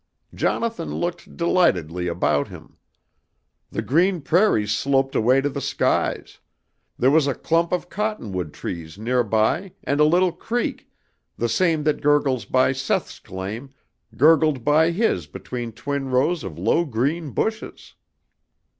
"Jonathan looked delightedly about him. "The green prairies sloped away to the skies; there was a clump of cottonwood trees near by and a little creek, the same that gurgles by Seth's claim, gurgled by his between twin rows of low green bushes.